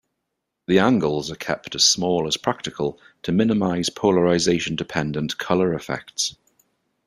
The angles are kept as small as practical to minimize polarization-dependent color effects.